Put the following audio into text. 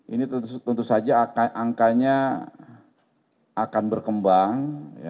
ini tentu saja angkanya akan berkembang